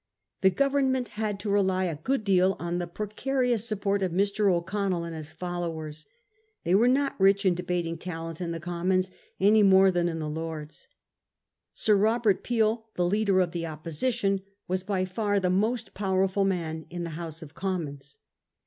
The Government had to rely a good deal on the precarious support of Mr. O'Connell and his followers. They were not rich in debating talent in the Commons any more than in the Lords. Sir Robert Peel, the leader of the opposition, was by far the most powerful man in the House of Commons.